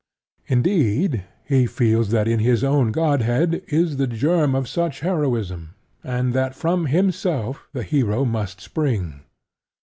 Indeed, he feels that in his own Godhead is the germ of such Heroism, and that from himself the Hero must spring.